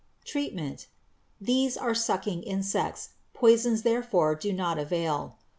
Treatment. These are sucking insects. Poisons therefore do not avail.